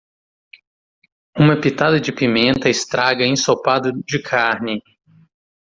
Uma pitada de pimenta estraga ensopado de carne.